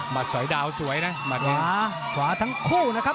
สอยดาวสวยนะหมัดขวาขวาทั้งคู่นะครับ